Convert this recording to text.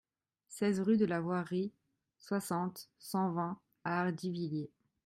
seize rue de la Voierie, soixante, cent vingt à Hardivillers